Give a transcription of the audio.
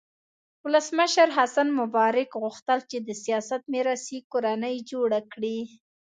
ولسمشر حسن مبارک غوښتل چې د سیاست میراثي کورنۍ جوړه کړي.